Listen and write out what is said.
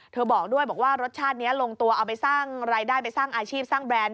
บอกด้วยบอกว่ารสชาตินี้ลงตัวเอาไปสร้างรายได้ไปสร้างอาชีพสร้างแบรนด์